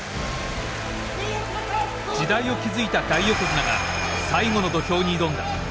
時代を築いた大横綱が最後の土俵に挑んだ。